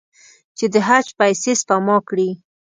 چې د حج پیسې سپما کړي.